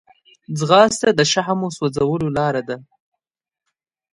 ځغاسته د شحمو سوځولو لاره ده